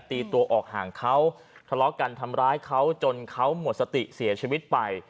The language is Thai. ตีตัวออกห่างเขาทะเลาะกันทำร้ายเขาจนเขาหมดสติเสียชีวิตไป